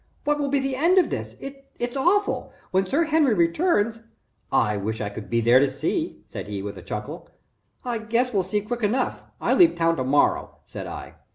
"What will be the end of this? It's awful. When Sir Henry returns " "I wish I could be there to see," said he, with a chuckle. "I guess we'll see, quick enough. I leave town to morrow," said I.